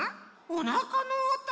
おなかのおと？